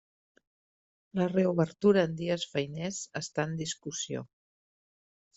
La reobertura en dies feiners està en discussió.